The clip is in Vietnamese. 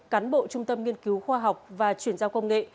cán bộ trung tâm nghiên cứu khoa học và chuyển giao công nghệ